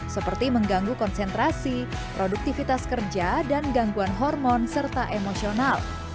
seperti mengganggu konsentrasi produktivitas kerja dan gangguan hormon serta emosional